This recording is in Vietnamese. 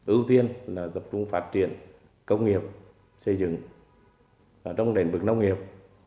ưu tiên là tập trung phát triển công nghiệp xây dựng trong đền bực nông nghiệp